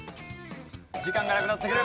時間がなくなってくる。